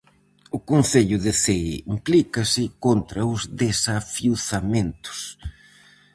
O concello de Cee implícase contra os desafiuzamentos.